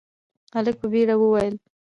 هلک په بيړه وويل: